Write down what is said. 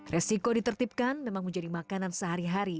resiko ditertibkan memang menjadi makanan sehari hari